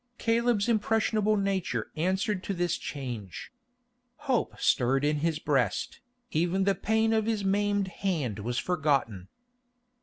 Caleb's impressionable nature answered to this change. Hope stirred in his breast, even the pain of his maimed hand was forgotten.